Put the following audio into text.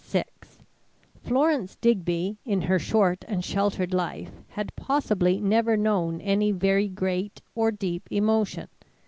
VI Florence Digby, in her short and sheltered life, had possibly never known any very great or deep emotion.